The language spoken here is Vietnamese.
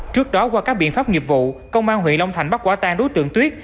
trước đó qua các biện pháp nghiệp vụ công an huyện long thành bắt quả tan đối tượng tuyết